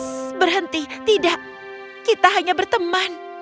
s berhenti tidak kita hanya berteman